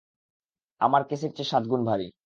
আমার কেসের চেয়ে সাতগুণ ভারি।